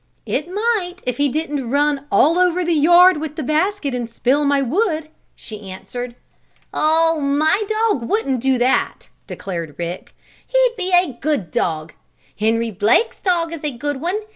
"It might, if he didn't run all over the yard with the basket, and spill my wood," she answered. "Oh, my dog wouldn't do that!" declared Rick. "He'd be a good dog. Henry Blake's dog is a good one.